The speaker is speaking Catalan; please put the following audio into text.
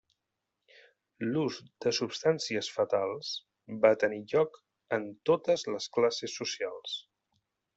L'ús de substàncies fatals va tenir lloc en totes les classes socials.